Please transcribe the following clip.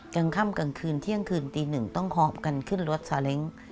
กลางค่ำกลางคืนเที่ยงคืนตีหนึ่งต้องหอบกันขึ้นรถซาเล้ง